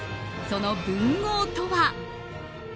その文豪とは。